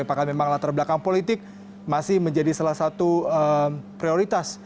apakah memang latar belakang politik masih menjadi salah satu prioritas